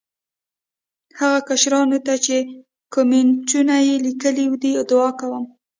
هغو کشرانو ته چې کامینټونه یې لیکلي دي، دعا کوم.